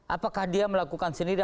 apakah dia melakukan sendiri